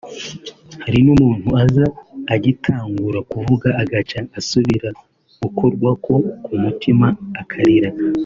hariho n'umuntu aza agitangura kuvuga agaca asubira gukorwako ku mutima akarira